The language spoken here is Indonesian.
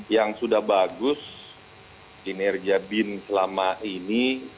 yang sudah bagus kinerja bin selama ini